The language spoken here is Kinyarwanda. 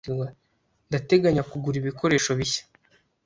Ndateganya kugura ibikoresho bishya.